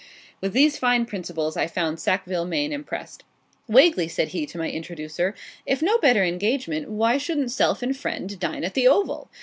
With these fine principles I found Sackville Maine impressed. 'Wagley,' said he, to my introducer, 'if no better engagement, why shouldn't self and friend dine at the "Oval?"